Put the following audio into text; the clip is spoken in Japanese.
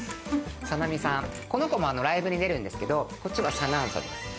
この子もライブに出るんですけど、こちらサナンサです。